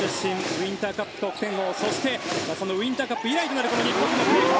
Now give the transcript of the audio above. ウインターカップ得点王そしてそのウインターカップ以来となります。